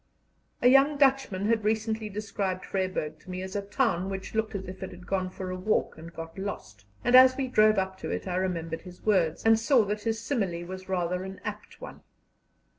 A young Dutchman had recently described Vryburg to me as a town which looked as if it had gone for a walk and got lost, and as we drove up to it I remembered his words, and saw that his simile was rather an apt one.